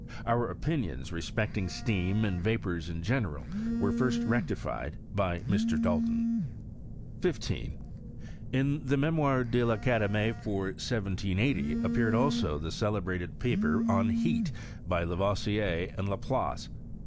Our opinioitf respecting steam and vapours in general were first rectified by Mr. Dalton. 15. In the Mem. de 1' Academic, for 1780, sp peared also the celebrated paper on heat, by Lavoi> sier and Laplace.